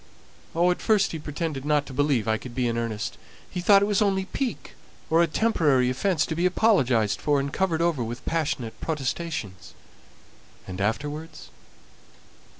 "Oh, at first he pretended not to believe I could be in earnest; he thought it was only pique, or a temporary offence to be apologized for and covered over with passionate protestations." "And afterwards?"